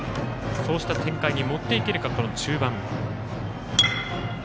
そうした展開に持っていけるかこの中盤。